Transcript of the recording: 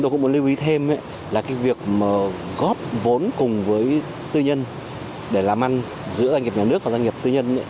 tôi cũng muốn lưu ý thêm là cái việc góp vốn cùng với tư nhân để làm ăn giữa doanh nghiệp nhà nước và doanh nghiệp tư nhân